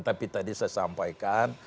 tapi tadi saya sampaikan